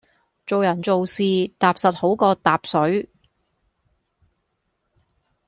做人做事，踏實好過疊水